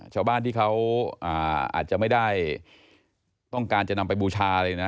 ชาวบ้านที่เขาอาจจะไม่ได้ต้องการจะนำไปบูชาอะไรนะ